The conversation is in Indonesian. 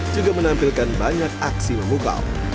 juga menampilkan banyak aksi memukau